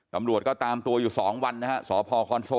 ตำรวจก็ตามตัวอยู่สองวันนะฮะสและพภศ